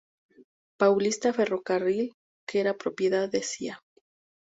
Paulista ferrocarril, que era propiedad de Cía.